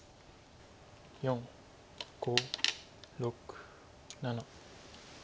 ４５６７。